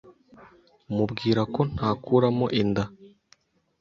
mubwira ko ntakuramo inda.